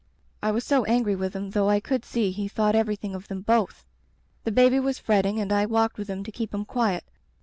"I was so angry with him though I could see he thought everything of them both! The baby was fretting and I walked with him to keep him quiet.